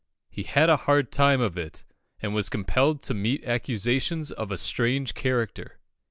"He had a hard time of it, and was compelled to meet accusations of a strange character.